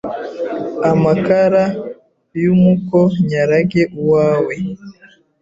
Amakara y’umuko nyarage uwawe ;